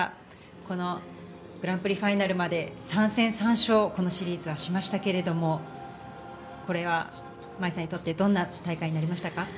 このグランプリファイナルまで３戦３勝このシリーズはしましたがこれは舞依さんにとってどんな大会になりましたか？